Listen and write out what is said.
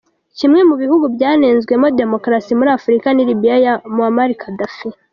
Kimwe mu bihugu byanenzwemo Demokarasi muri Afrika, ni Libiya ya Mouamar Gaddafi.